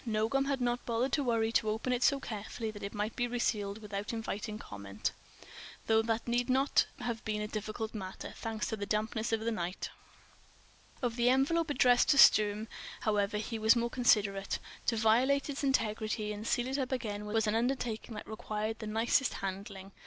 Nogam had not bothered to worry it open so carefully that it might be resealed without inviting comment; though that need not have been a difficult matter, thanks to the dampness of the night air. Of the envelope addressed to Sturm, however, he was more considerate; to violate its integrity and seal it up again was an undertaking that required the nicest handling.